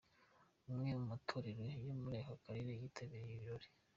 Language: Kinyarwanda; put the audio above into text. Amwe mu matorero yo muri aka karere yitabiriye ibi birori.